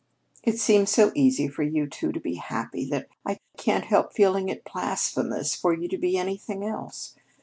It seems so easy for you two to be happy that I can't help feeling it blasphemous for you to be anything else.